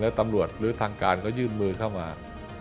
แล้วตำรวจหรือทางการก็ยื่นมือเข้ามา